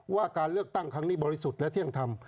ว่าการเลือกตั้งครั้งนี้บริสุทธิ์และเที่ยงธรรม